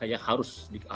ya harus dikeluarkan